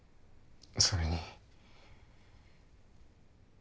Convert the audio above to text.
それに。